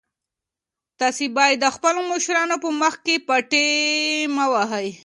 تاسي باید د خپلو مشرانو په مخ کې پټې مه وهئ.